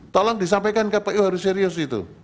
tolong disampaikan kpu harus serius itu